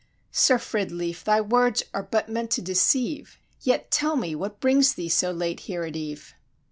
"Sir Fridleif, thy words are but meant to deceive, Yet tell me what brings thee so late here at eve."